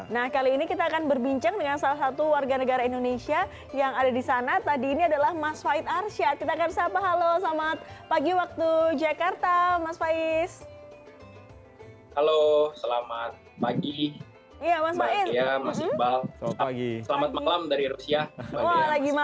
nah kali ini kita akan berbincang dengan salah satu warga negara indonesia yang ada di sana